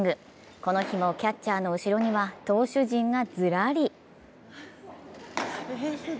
この日もキャッチャーの後ろには投手陣がずらり。